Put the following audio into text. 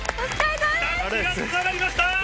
たすきがつながりました。